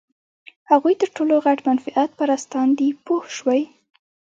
هغوی تر ټولو غټ منفعت پرستان دي پوه شوې!.